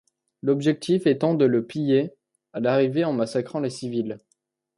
L'objectif étant de le piller à l'arrivée en massacrant les civils.